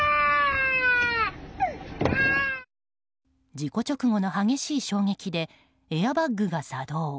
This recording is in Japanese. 事故直後の激しい衝撃でエアバッグが作動。